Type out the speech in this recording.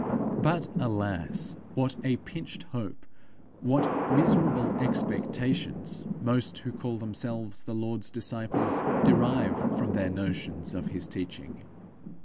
But, alas, what a pinched hope, what miserable expectations, most who call themselves the Lord's disciples derive from their notions of his teaching!